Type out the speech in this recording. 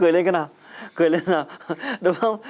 cười lên cái nào cười lên nào đúng không